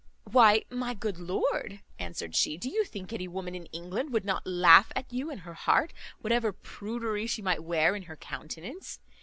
"Why, my good lord," answered she, "do you think any woman in England would not laugh at you in her heart, whatever prudery she might wear in her countenance?